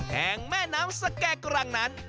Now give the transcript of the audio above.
แห่งแม่น้ำสแก่กรังนั้น